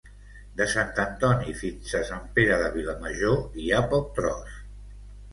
De Sant Antoni fins a Sant Pere de Vilamajor hi ha poc tros